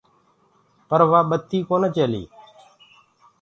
پر وآ وڌ ڪونآ چلري۔